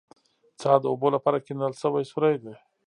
څا د اوبو لپاره کیندل شوی سوری دی